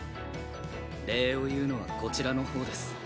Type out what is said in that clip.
礼を言うのはこちらのほうです。